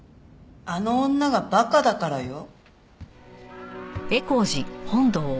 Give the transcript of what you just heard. あの女がバカだからよ。